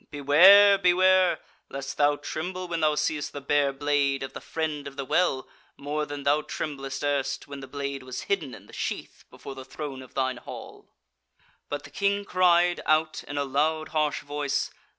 beware beware! lest thou tremble when thou seest the bare blade of the Friend of the Well more than thou trembledst erst, when the blade was hidden in the sheath before the throne of thine hall." But the King cried out in a loud harsh voice.